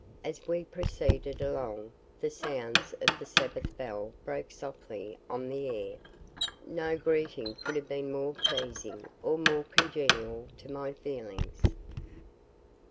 As we proceeded along, the sounds of the Sabbath bell broke softly on the air. No greeting could have been more pleasing or more congenial to my feelings.